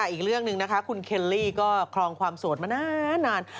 อีกเรื่องหนึ่งนะคะคุณเคลลี่ก็คลองความโสดมานาน